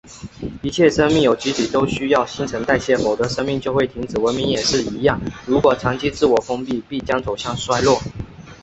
一切生命有机体都需要新陈代谢，否则生命就会停止。文明也是一样，如果长期自我封闭，必将走向衰落。